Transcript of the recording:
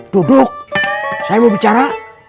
duduk saya mau bicara